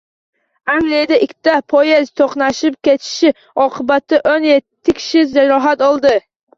Angliyada ikkita poyezd to‘qnashib ketishi oqibatidao´n yettikishi jarohat oldi